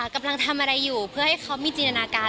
กำลังทำอะไรอยู่เพื่อให้เขามีจินตนาการ